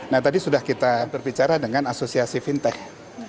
nah tadi sudah kita berbicara dengan asosiasi fintech